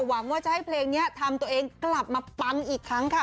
หวังว่าจะให้เพลงนี้ทำตัวเองกลับมาปังอีกครั้งค่ะ